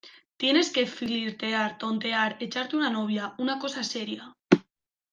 tienes que flirtear, tontear , echarte una novia , una cosa seria.